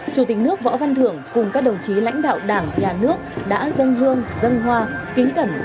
chủ tịch nước võ văn thưởng cùng các đồng chí lãnh đạo đảng nhà nước đã dâng hương dâng hoa